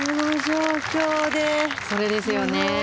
それですよね。